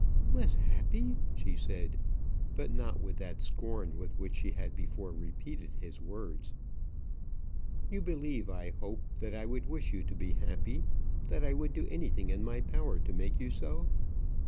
"Less happy!" she said; but not with that scorn with which she had before repeated his words. "You believe, I hope, that I would wish you to be happy; that I would do anything in my power to make you so?"